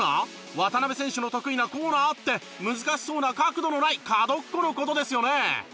渡邊選手の得意なコーナーって難しそうな角度のない角っこの事ですよね？